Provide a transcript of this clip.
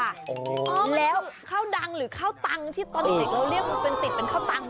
ข้าวแล้วข้าวดังหรือข้าวตังค์ที่ตอนเด็กเราเรียกมันเป็นติดเป็นข้าวตังค